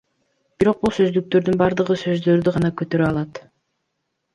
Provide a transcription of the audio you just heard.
Бирок бул сөздүктөрдүн баардыгы сөздөрдү гана которо алат.